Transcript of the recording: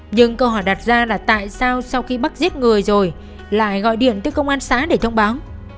nhưng câu hỏi đặt ra là tại sao sau khi bắc giết người rồi lại gọi điện tới công an xã để thông báo